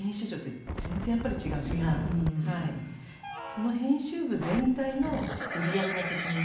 その編集部全体の売り上げの責任とか。